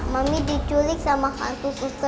mami diculik sama hantu susur ngesot